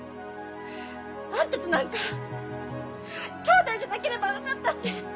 あんたとなんか姉妹じゃなければよかったって